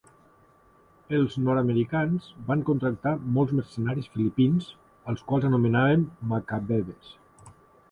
Els nord-americans van contractar molts mercenaris filipins als quals anomenaven "Macabebes".